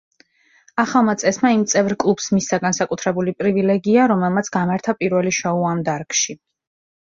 ახალმა წესმა იმ წევრ კლუბს მისცა განსაკუთრებული პრივილეგია, რომელმაც გამართა პირველი შოუ ამ დარგში.